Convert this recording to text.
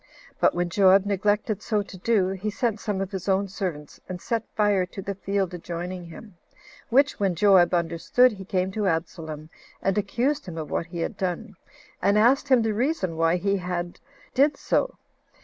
But when Joab neglected so to do, he sent some of his own servants, and set fire to the field adjoining to him; which, when Joab understood, he came to Absalom, and accused him of what he had done; and asked him the reason why he did so.